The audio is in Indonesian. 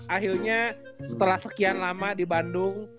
akhirnya setelah sekian lama di bandung